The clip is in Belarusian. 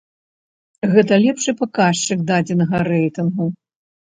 Гэта лепшы паказчык дадзенага рэйтынгу.